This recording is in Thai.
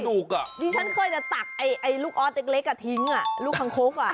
ดิฉันเคยจะตักลูกออสเด็กกระทิ้งลูกห้างรก